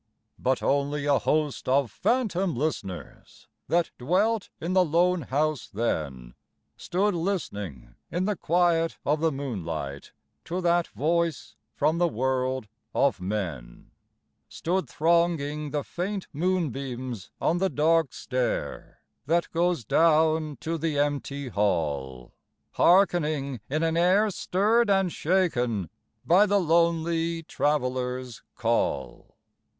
But only a host of phantom listeners That dwelt in the lone house then Stood listening in the quiet of the moonlight To that voice from the world of men: Stood thronging the faint moonbeams on the dark stair That goes down to the empty hall, Hearkening in an air stirred and shaken By the lonely Traveler's call.